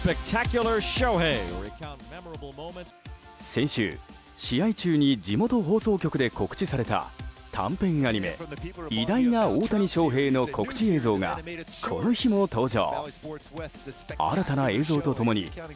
先週、試合中に地元放送局で告知された短編アニメ「偉大な大谷翔平」の告知映像がこの日も登場。